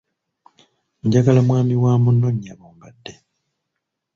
Njagala mwami wa muno nnyabo mbadde